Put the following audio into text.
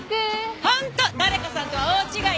本当誰かさんとは大違い。